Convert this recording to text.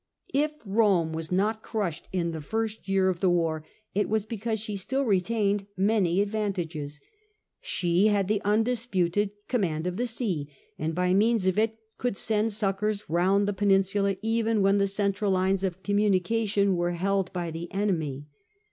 If Rome was not crushed in the first year of the war, it was because she still retained many advantages. She had the undisputed command of the sea, and by means of it could send succours round the peninsula, even when the central lines of cotamumcation were held by the enemy.